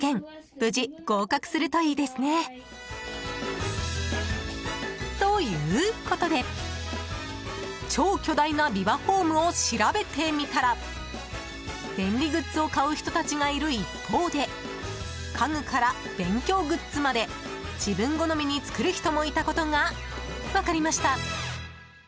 無事合格するといいですね！ということで、超巨大なビバホームを調べてみたら便利グッズを買う人たちがいる一方で家具から勉強グッズまで自分好みに作る人もいたことが分かりました。